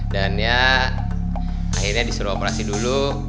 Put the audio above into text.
dan ya akhirnya disuruh operasi dulu